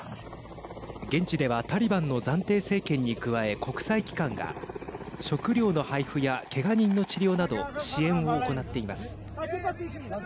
現地では、タリバンの暫定政権に加え、国際機関が食料の配付やけが人の治療など支援を行っています。